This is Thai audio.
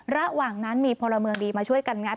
ระหว่างนั้นมีพลเมืองดีมาช่วยกันงัด